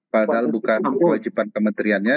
padahal bukan kewajiban kementeriannya